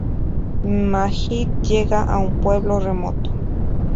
Majid llega a un pueblo remoto.